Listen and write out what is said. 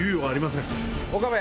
岡部。